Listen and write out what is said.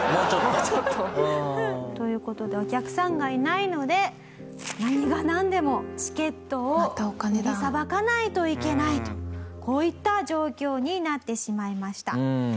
もうちょっと。という事でお客さんがいないので何がなんでもチケットを売りさばかないといけないとこういった状況になってしまいました。